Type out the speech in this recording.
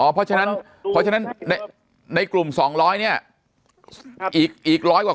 เพราะฉะนั้นเพราะฉะนั้นในกลุ่ม๒๐๐เนี่ยอีกร้อยกว่า